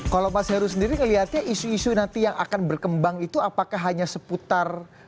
kalau mas heru sendiri melihatnya isu isu nanti yang akan berkembang itu apakah hanya seputar